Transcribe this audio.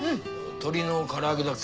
鶏の唐揚げだっけ？